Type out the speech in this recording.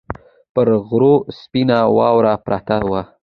پر غرو سپینه واوره پرته وه